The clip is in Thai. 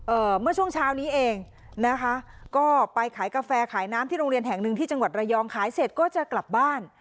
เมื่อช่วงเช้านี้เองนะคะก็ไปขายกาแฟขายน้ำที่โรงเรียนแห่งหนึ่งที่จังหวัดระยองขายเสร็จก็จะกลับบ้าน